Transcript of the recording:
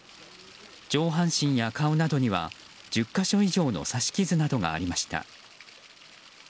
上半身や顔などには１０か所以上の刺し傷などがありました。